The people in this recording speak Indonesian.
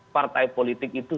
partai politik itu